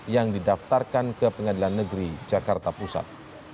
yang didaftarkan ke pengadilan negeri jakarta pusat